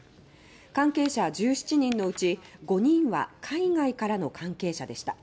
関係者１７人のうち５人は海外からの関係者でした。